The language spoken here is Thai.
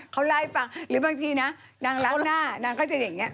เขาลายฟังหรือบางทีนครนางรักหน้านางก็จะอย่างนี้